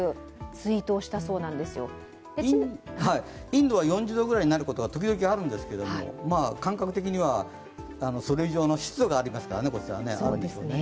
インドは４０度くらいになることが時々あるんですが、感覚的にはそれ以上の湿度がありますからね。